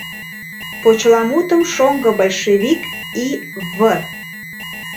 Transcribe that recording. Почеламутым шоҥго большевик И.В.